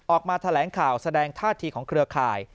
ออกมาแถลงข่าวแสดงท่าทีของเครือข่าย